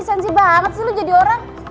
esensi banget sih lo jadi orang